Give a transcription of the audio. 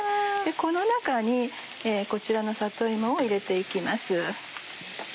この中にこちらの里芋を入れて行きます。